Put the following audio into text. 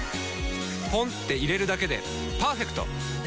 ポンって入れるだけでパーフェクト！